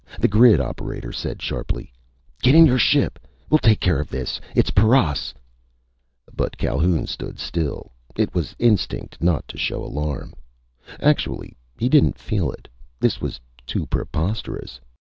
The grid operator said sharply: "Get in your ship! We'll take care of this! It's paras!" But Calhoun stood still. It was instinct not to show alarm. Actually, he didn't feel it. This was too preposterous!